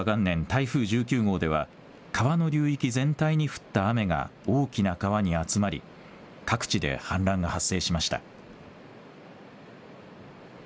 台風１９号では川の流域全体に降った雨が大きな川に集まり各地で氾濫が発生しました。